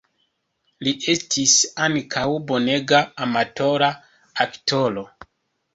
Li estis ankaŭ bonega amatora aktoro.